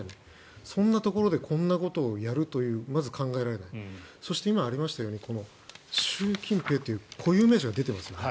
そんなところでこんなことをやるというのがまず考えられないそして今、ありましたように習近平という固有名詞が出ていますよね。